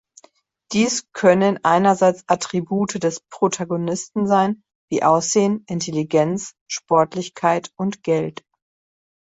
Dies können einerseits Attribute des Protagonisten sein wie Aussehen, Intelligenz, Sportlichkeit und Geld.